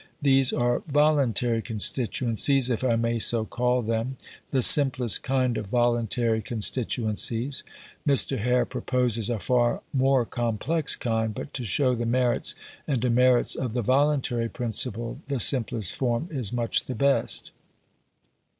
These are voluntary constituencies, if I may so call them; the simplest kind of voluntary constituencies. Mr. Hare proposes a far more complex kind; but to show the merits and demerits of the voluntary principle the simplest form is much the best.